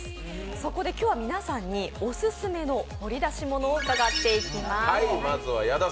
そこで今日は皆さんに、オススメの掘り出し物を伺っていきます。